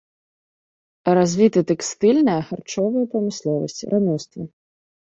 Развіты тэкстыльная, харчовая прамысловасць, рамёствы.